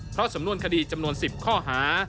เพราะสำนวนคดีจำนวน๑๐ข้อหา